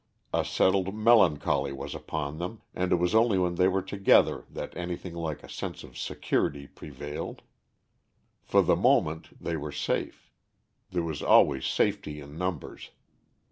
A settled melancholy was upon them, and it was only when they were together that anything like a sense of security prevailed. For the moment they were safe there was always safety in numbers.